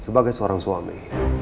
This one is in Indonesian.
sebagai seorang suami